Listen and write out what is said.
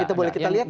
kita boleh kita lihat